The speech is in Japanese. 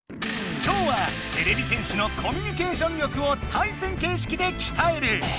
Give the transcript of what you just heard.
今日はてれび戦士のコミュニケーション力を対戦形式できたえる！